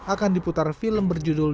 akan diputar film berjudul